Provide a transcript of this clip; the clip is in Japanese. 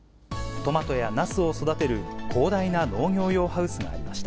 トマトやナスを育てる広大な農業用ハウスがありました。